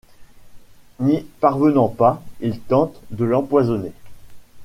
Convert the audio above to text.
N'y parvenant pas, il tente de l'empoisonner.